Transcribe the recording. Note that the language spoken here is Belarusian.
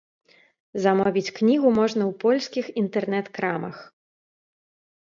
Замовіць кнігу можна ў польскіх інтэрнэт-крамах.